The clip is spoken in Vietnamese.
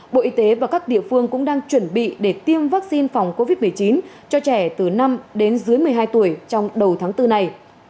bộ y tế và các địa phương cũng đang chuẩn bị để tiêm vaccine phòng covid một mươi chín cho trẻ từ năm đến dưới một mươi hai tuổi trong đầu tháng bốn này